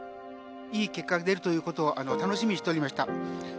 いい結果が出るということを楽しみにしておりました。